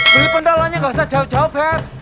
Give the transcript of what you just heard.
beli pendalanya gak usah jauh jauh beb